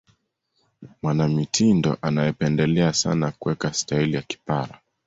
mwanamitindo anayependelea sana kuweka sitaili ya kipara